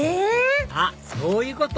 あっそういうこと！